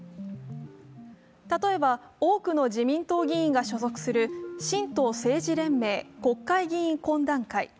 例えば多くの自民党議員が所属する神道政治連盟国会議員懇談会。